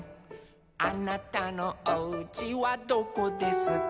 「あなたのおうちはどこですか」